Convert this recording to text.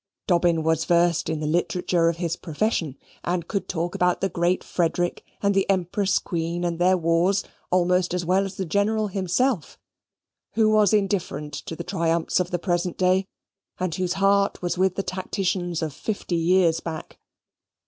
Dobbin was versed in the literature of his profession, and could talk about the great Frederick, and the Empress Queen, and their wars, almost as well as the General himself, who was indifferent to the triumphs of the present day, and whose heart was with the tacticians of fifty years back.